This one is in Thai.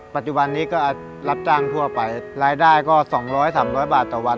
ปัจจุบันนี้ก็รับจ้างทั่วไปรายได้ก็๒๐๐๓๐๐บาทต่อวัน